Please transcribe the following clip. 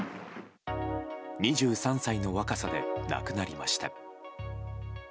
２３歳の若さで亡くなりました。